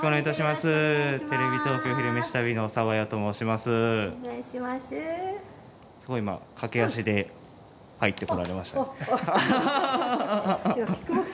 すごい今駆け足で入ってこられましたね。